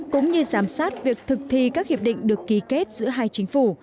cũng như giám sát việc thực thi các hiệp định được ký kết giữa hai chính phủ